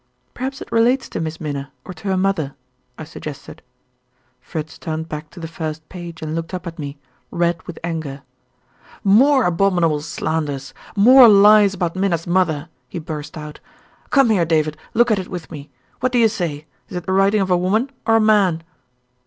'" "Perhaps it relates to Miss Minna, or to her mother," I suggested. Fritz turned back to the first page and looked up at me, red with anger. "More abominable slanders! More lies about Minna's mother!" he burst out. "Come here, David. Look at it with me. What do you say? Is it the writing of a woman or a man?"